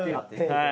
はい。